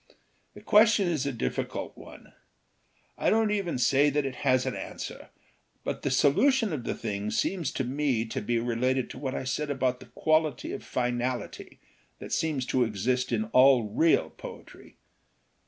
The question is a difficult one. I don't even say that it has an answer. But the solution of the thing seems to me to be related to what I said about the quality of finality that seems to exist in all real poetry.